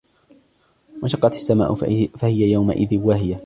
وَانْشَقَّتِ السَّمَاءُ فَهِيَ يَوْمَئِذٍ وَاهِيَةٌ